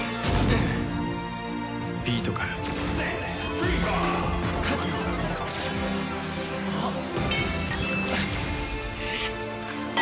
えっ？